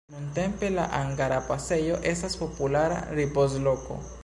Nuntempe la Angara pasejo estas populara ripoz-loko.